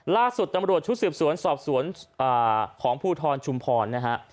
ล่าสุดตำรวจชุดสืบสวนสอบสวนของภูทรชุมพรนะฮะ